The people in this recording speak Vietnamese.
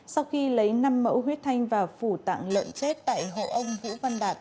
sau khi lấy năm mẫu huyết thanh và phủ tặng lợn chết tại hộ ông vũ văn đạt